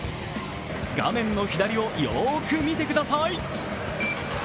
画面の左をよく見てください。